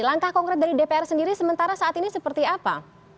langkah konkret dari dpr sendiri sementara saat ini seperti apa